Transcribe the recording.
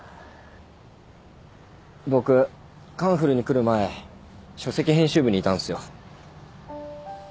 僕『カンフル』に来る前書籍編集部にいたんすよ。